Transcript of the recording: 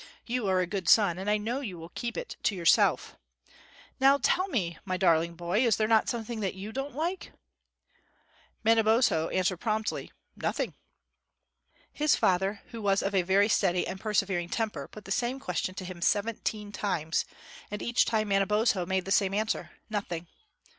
"You are a good son, and I know you will keep it to yourself. Now tell me, my darling boy, is there not something that you don't like?" Manabozho answered promptly "Nothing." His father, who was of a very steady and persevering temper, put the same question to him seventeen times, and each time Manabozho made the same answer "Nothing."